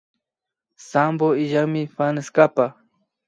Sampo illanmi fanestapa